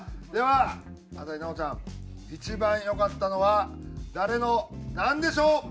では朝日奈央ちゃん一番良かったのは誰のなんでしょう？